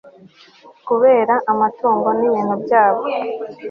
kubera amatungo n'ibintu byabo